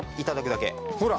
ほら！